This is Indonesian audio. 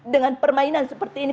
dengan permainan seperti ini